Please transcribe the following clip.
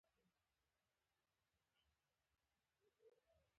افغان ځواکونو دوښمن چټ پټ کړ.